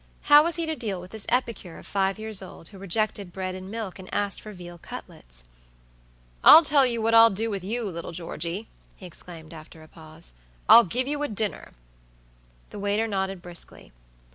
How was he to deal with this epicure of five years old, who rejected bread and milk and asked for veal cutlets? "I'll tell you what I'll do with you, little Georgey," he exclaimed, after a pause"I'll give you a dinner!" The waiter nodded briskly.